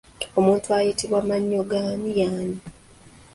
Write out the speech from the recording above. Omuntu ayitibwa mayogaanyi y'ani?